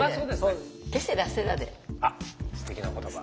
あっすてきな言葉。